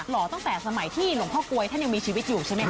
หล่อตั้งแต่สมัยที่หลวงพ่อกลวยท่านยังมีชีวิตอยู่ใช่ไหมค